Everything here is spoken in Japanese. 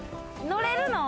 乗れるの？